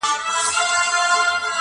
له محشره نه دی کم هغه ساعت چي,